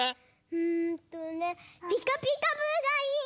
うんとね「ピカピカブ！」がいい！